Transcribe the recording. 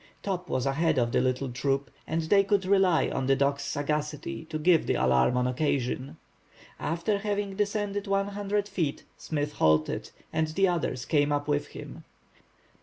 Top was ahead of the little troop and they could rely on the dog's sagacity to give the alarm on occasion. After having descended 100 feet, Smith halted, and the others came up with him.